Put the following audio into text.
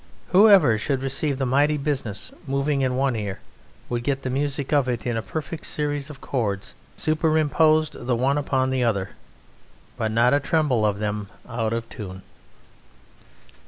Whoever should receive the mighty business moving in one ear would get the music of it in a perfect series of chords, superimposed the one upon the other, but not a tremble of them out of tune.